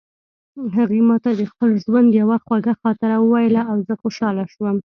هغې ما ته د خپل ژوند یوه خوږه خاطره وویله او زه خوشحاله شوم